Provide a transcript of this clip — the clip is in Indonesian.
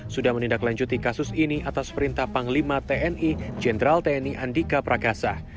sudah menindaklanjuti kasus ini atas perintah panglima tni jenderal tni andika prakasa